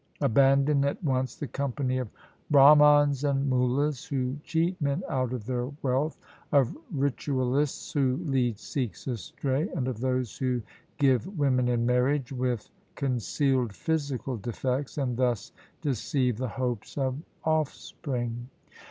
Abandon at once the company of Brah mans and Mullas who cheat men out of their wealth, of ritualists who lead Sikhs astray, and of those who give women in marriage with concealed physical defects, and thus deceive the hopes of offspring.